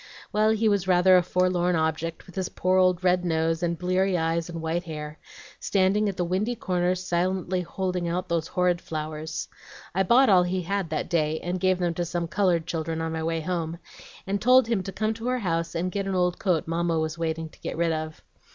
Well, he was rather a forlorn object, with his poor old red nose, and bleary eyes, and white hair, standing at the windy corners silently holding out those horrid flowers. I bought all he had that day, and gave them to some colored children on my way home, and told him to come to our house and get an old coat Mamma was waiting to get rid of.